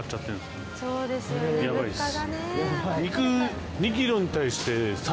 やばいです。